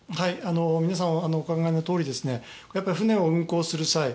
皆さん、お考えのとおり船を運航する際